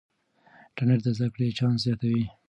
انټرنیټ د زده کړې چانس زیاتوي.